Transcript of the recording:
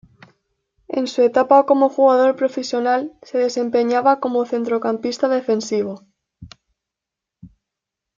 En su etapa como jugador profesional se desempeñaba como centrocampista defensivo.